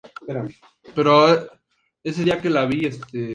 Representa la vertiente andina de la narrativa colombiana contemporánea.